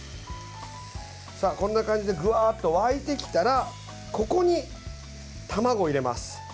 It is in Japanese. こんな感じでふわっと沸いてきたらここに卵を入れます。